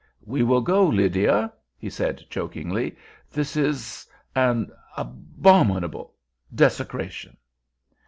"We will go, Lydia," he said chokingly. "This is an abominable—desecration."